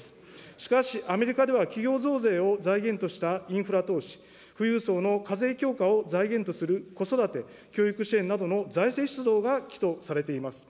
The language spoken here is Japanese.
しかし、アメリカでは企業増税を財源としたインフラ投資、富裕層の課税強化を財源とする子育て・教育支援などの財政出動が企図されています。